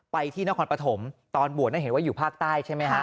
ที่นครปฐมตอนบวชเห็นว่าอยู่ภาคใต้ใช่ไหมฮะ